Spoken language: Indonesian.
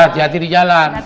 hati hati di jalan